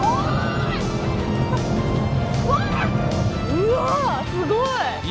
うわすごい！